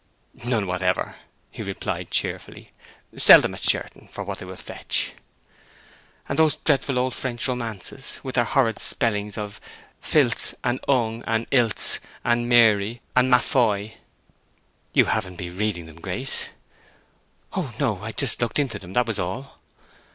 "None whatever!" he replied, cheerfully. "Sell them at Sherton for what they will fetch." "And those dreadful old French romances, with their horrid spellings of 'filz' and 'ung' and 'ilz' and 'mary' and 'ma foy?'" "You haven't been reading them, Grace?" "Oh no—I just looked into them, that was all."